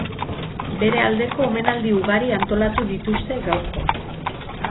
Bere aldeko omenaldi ugari antolatu dituzte gaurko.